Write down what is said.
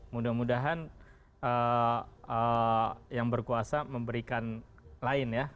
mudah mudahan yang berkuasa memberikan lain ya